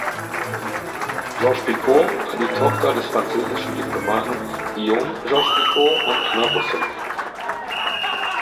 Georges-Picot war die Tochter des französischen Diplomaten Guillaume Georges-Picot und einer Russin.